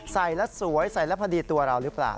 ใส่แล้วสวยใส่แล้วพอดีตัวเราหรือเปล่า